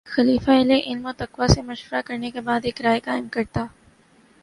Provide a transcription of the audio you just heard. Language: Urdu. خلیفہ اہلِ علم و تقویٰ سے مشورہ کرنے کے بعد ایک رائے قائم کرتا